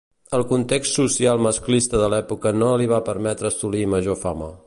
El context social masclista de l'època no li va permetre assolir major fama.